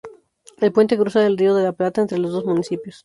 El puente cruza el Río de la Plata entre los dos municipios.